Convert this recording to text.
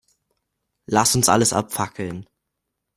Lass uns alles abfackeln.